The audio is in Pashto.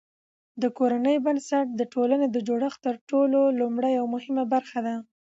د کورنۍ بنسټ د ټولني د جوړښت تر ټولو لومړۍ او مهمه برخه ده.